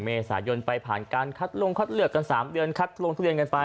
เมษายนไปผ่านการคัดลงคัดเลือกกัน๓เดือนคัดลงทุเรียนกันไป